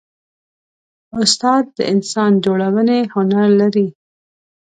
استاد د انسان جوړونې هنر لري.